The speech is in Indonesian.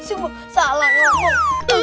sungguh salah nyungusop